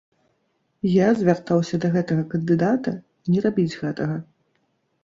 Я звяртаўся да гэтага кандыдата не рабіць гэтага.